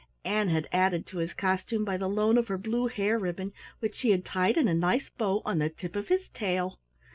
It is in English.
Ann had added to his costume by the loan of her blue hair ribbon which she had tied in a nice bow on the tip of his tail.